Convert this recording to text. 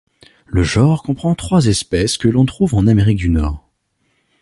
Le genre comprend trois espèces que l'on trouve en Amérique du Nord.